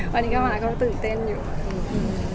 วันนี้ก็มาก็ตื่นเต้นอยู่